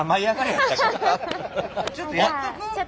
ちょっとやっとく？